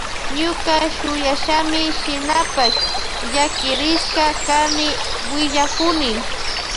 Ñuka shuyashami shinapash llakirishka kani willakuni.